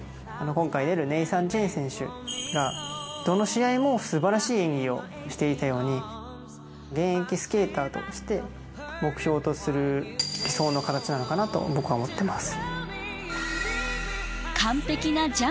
今回出るネイサン・チェン選手がどの試合も素晴らしい演技をしていたように現役スケーターとして目標とするなのかなと僕は思ってます